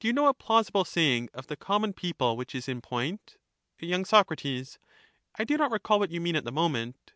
Do you know a plausible saying of the common people which is in point ? y. Sac. I do not recall what you mean at the moment.